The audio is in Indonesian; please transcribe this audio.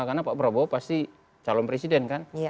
karena pak prabowo pasti calon presiden kan